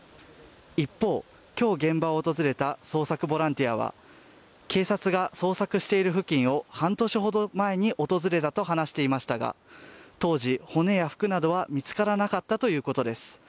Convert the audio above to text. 一方、今日現場を訪れた捜索ボランティアは警察が捜索している付近を半年ほど前に訪れたと話していましたが当時、骨や服などは見つからなかったということです。